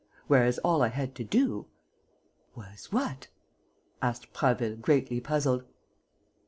Whereas all I had to do...." "Was what?" asked Prasville, greatly puzzled.